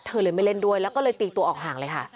เธอเลยไม่เล่นด้วยแล้วก็เลยตีตัวออกห่างเลยค่ะ